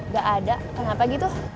gak ada kenapa gitu